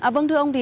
vâng thưa ông thì